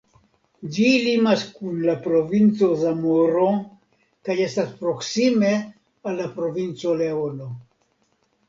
Ĝi limas kun la provinco Zamoro kaj estas proksime al la provinco Leono.